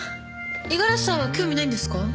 五十嵐さんは興味ないんですか？